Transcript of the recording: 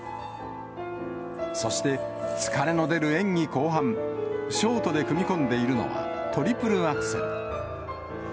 そして疲れの出る演技後半、ショートで組み込んでいるのはトリプルアクセル。